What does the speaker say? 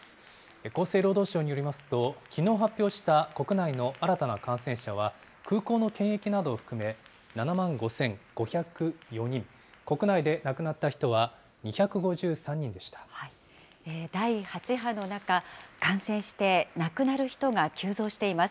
厚生労働省によりますと、きのう発表した国内の新たな感染者は、空港の検疫などを含め、７万５５０４人、国内で亡くなった人は２第８波の中、感染して亡くなる人が急増しています。